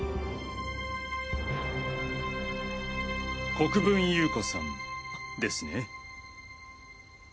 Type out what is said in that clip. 国分優子さんですね。